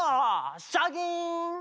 シャキン！